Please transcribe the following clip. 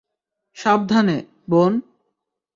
সাবধানে, বোন।